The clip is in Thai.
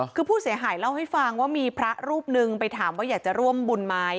คือผู้เสียหายเล่าให้ฟังว่ามีพระรูปนึงไปถามว่าอยากจะร่วมบุญไหม